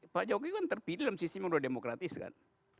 pak jokowi kan terpilih dalam sistem yang sudah demokratis kan